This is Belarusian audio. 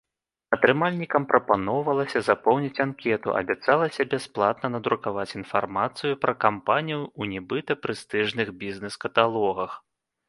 Атрымальнікам прапаноўвалася запоўніць анкету, абяцалася бясплатна надрукаваць інфармацыю пра кампанію ў нібыта прэстыжных бізнэс-каталогах.